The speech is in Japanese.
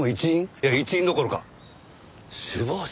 いや一員どころか首謀者？